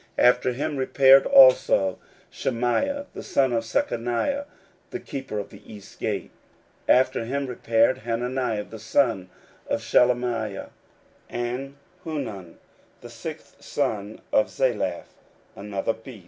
After him repaired also Shemaiah the son of Shechaniah, the keeper of the east gate. 16:003:030 After him repaired Hananiah the son of Shelemiah, and Hanun the sixth son of Zalaph, another piece.